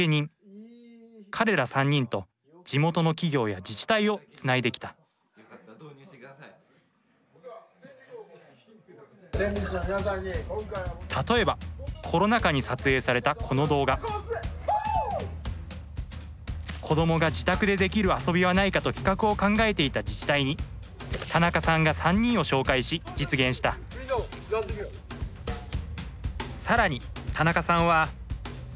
彼ら３人と地元の企業や自治体をつないできた例えばコロナ禍に撮影されたこの動画子どもが自宅でできる遊びはないかと企画を考えていた自治体に田中さんが３人を紹介し実現した更に田中さんは。